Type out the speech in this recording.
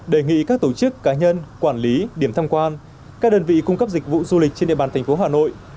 đề nghị các tổ chức cá nhân quản lý điểm tham quan các đơn vị cung cấp dịch vụ du lịch trên địa bàn thành phố hà nội